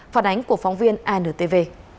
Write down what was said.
phản ánh của phóng viên antv